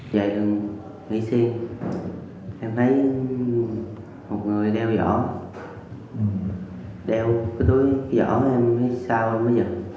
đeo túi giỏ em biết sao